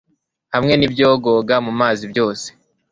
hamwe n'ibyogoga mu mazi byose